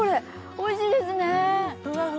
おいしいです。